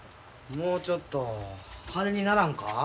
もうちょっと派手にならんか？